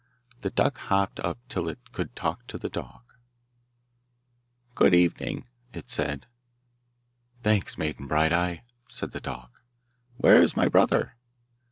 The duck hopped up till it could talk to the dog. 'Good evening,' it said. 'Thanks, Maiden Bright eye,' said the dog. 'Where is my brother?